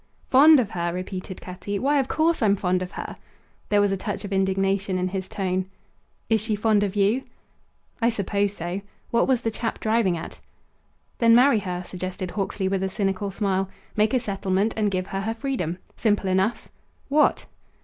"Fond of her!" repeated Cutty. "Why, of course I'm fond of her!" There was a touch of indignation in his tone. "Is she fond of you?" "I suppose so." What was the chap driving at? "Then marry her," suggested Hawksley with a cynical smile; "make a settlement and give her her freedom. Simple enough. What?"